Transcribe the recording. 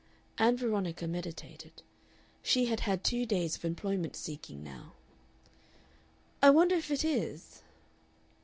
Ann Veronica meditated. She had had two days of employment seeking now. "I wonder if it is."